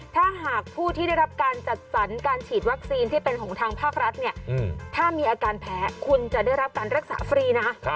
ถ้าหากผู้ที่ได้รับการจัดสรรการฉีดวัคซีนที่เป็นของทางภาครัฐเนี่ยถ้ามีอาการแพ้คุณจะได้รับการรักษาฟรีนะ